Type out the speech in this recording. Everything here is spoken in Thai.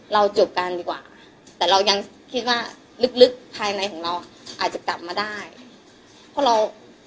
เราจบกันดีกว่าแต่เรายังคิดว่าลึกลึกภายในของเราอาจจะกลับมาได้เพราะเรา